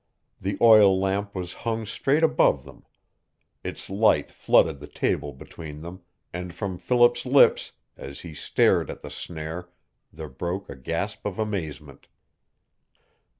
The oil lamp was hung straight above them. Its light flooded the table between them, and from Philip's lips, as he stared at the snare, there broke a gasp of amazement.